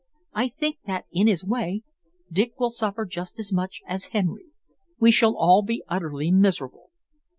I think that, in his way, Dick will suffer just as much as Henry. We shall all be utterly miserable."